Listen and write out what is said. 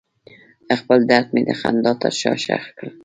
خپل درد مې د خندا تر شا ښخ کړ.